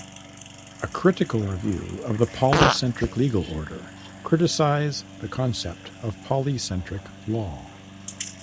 A Critical Review of the Polycentric Legal Order, criticize the concept of polycentric law.